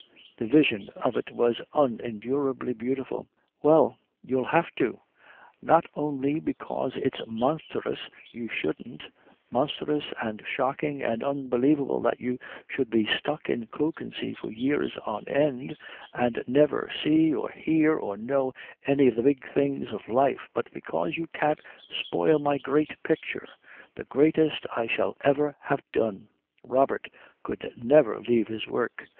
The vision of it was unendurably beautiful. "Well, you'll have to. Not only because it's monstrous you shouldn't, monstrous and shocking and unbelievable that you should be stuck in Kökensee for years on end and never see or hear or know any of the big things of life, but because you can't spoil my great picture the greatest I shall ever have done." "Robert could never leave his work."